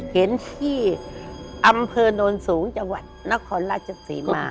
เห็นที่อำเภอโนนสูงจังหวัดนครราชศรีมา